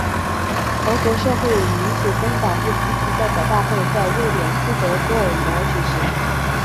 俄国社会民主工党第四次代表大会在瑞典斯德哥尔摩举行。